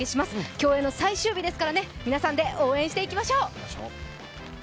競泳の最終日ですから皆さんで応援していきましょう。